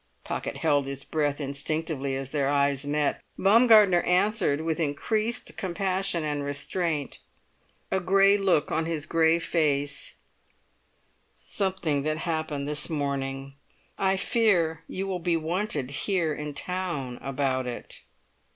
Pocket held his breath instinctively as their eyes met. Baumgartner answered with increased compassion and restraint, a grey look on his grey face: "Something that happened this morning. I fear you will be wanted here in town about it."